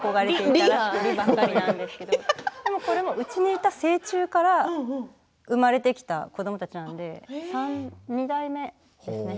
なんか「り」に憧れてうちにいた成虫から産まれてきた子どもたちなので２代目です。